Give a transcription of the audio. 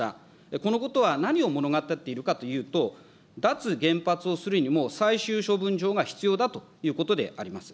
このことは、何を物語っているかというと、脱原発をするにも最終処分場が必要だということであります。